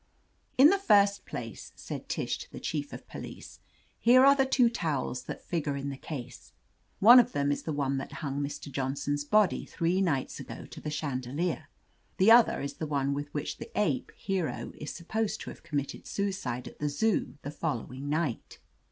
"In the first place," said Tish, to the Chief of Police, "here are the two towels that figure in the case. One of them is the one that hung Mr. Johnson's body three nights ago to the chandelier, the other is the one with which the ape, Hero, is supposed to have committed sui cide at the Zoo the following night.